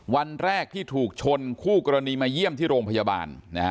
วันแรกที่ถูกชนคู่กรณีมาเยี่ยมที่โรงพยาบาล